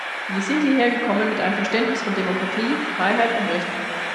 Wir sind hierher gekommen mit einem Verständnis von Demokratie, Freiheit und Rechten.